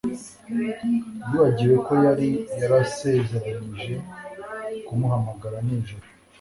yibagiwe ko yari yarasezeranije kumuhamagara nijoro